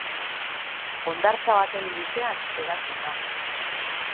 Hondartza baten luzean hedatzen da.